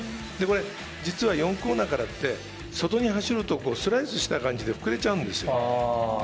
実は４コーナーからって外に走るとスライスした感じで、膨れちゃうんですよ。